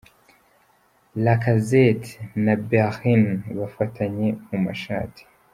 Lacazette na Bellerin bafatanye mu mashati.